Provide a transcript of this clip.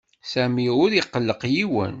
Sami ur iqelleq yiwen.